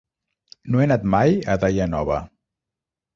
No he anat mai a Daia Nova.